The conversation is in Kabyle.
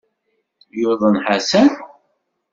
Yuḍen Ḥasan?